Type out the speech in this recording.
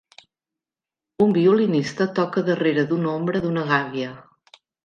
Un violinista toca darrere d'una ombra d'una gàbia.